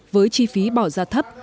với chi phí bỏ ra thấp